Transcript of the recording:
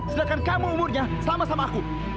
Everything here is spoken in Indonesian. sedangkan kamu umurnya sama sama aku